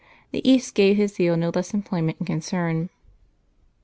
The East gave his zeal no less employment and concern.